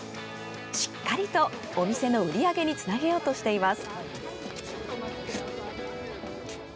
しっかりとお店の売り上げにつなげようとしています。